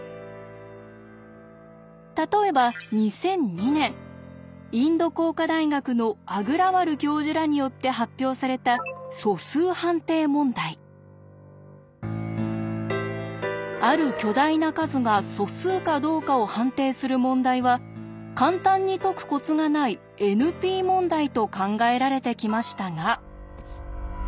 例えば２００２年インド工科大学のアグラワル教授らによって発表されたある巨大な数が素数かどうかを判定する問題は簡単に解くコツがないＮＰ問題と考えられてきましたが。